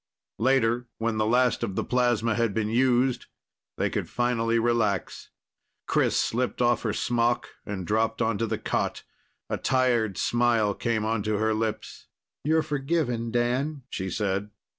Later, when the last of the plasma had been used, they could finally relax. Chris slipped off her smock and dropped onto the cot. A tired smile came onto her lips. "You're forgiven, Dan," she said.